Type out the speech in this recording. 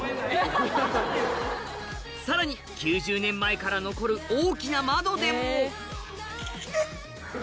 さらに９０年前から残る大きな窓でもえっ！